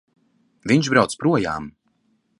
Viņš brauc projām!